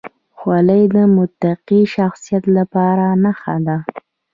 خولۍ د متقي شخصیت لپاره نښه ده.